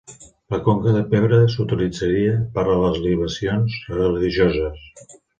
La conca de pedra s'utilitzaria per a les libacions religioses.